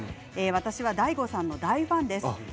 私はＤＡＩＧＯさんの大ファンです。